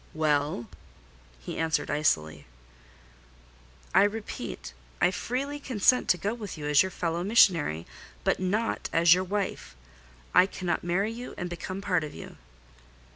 "Well?" he answered icily. "I repeat I freely consent to go with you as your fellow missionary, but not as your wife; I cannot marry you and become part of you."